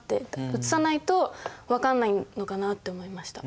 移さないと分かんないのかなって思いました。